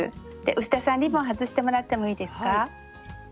牛田さんリボン外してもらってもいいですか？